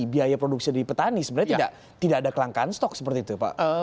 biaya produksi dari petani sebenarnya tidak ada kelangkaan stok seperti itu pak